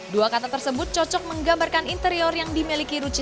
dua kata tersebut cocok menggambarkan interior yang dimiliki ruchie